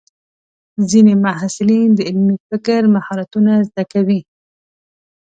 ځینې محصلین د علمي فکر مهارتونه زده کوي.